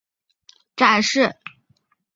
现已成立江口汉崖墓博物馆对外展示。